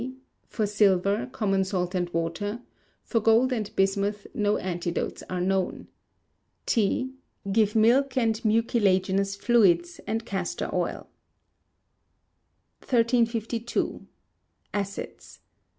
For silver, common salt and water; for gold and bismuth, no antidotes are known. T. Give milk and mucilaginous fluids, and castor oil. 1352. Acids.